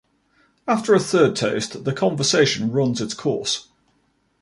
After a third toast, the conversation runs its course.